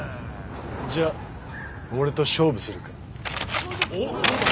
じゃ俺と勝負するか？